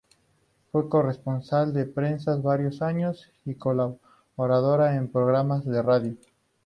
Fue corresponsal de prensa varios años y colaboradora, en programas de radio.